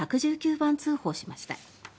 番通報しました。